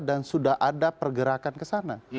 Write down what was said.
dan sudah ada pergerakan kesana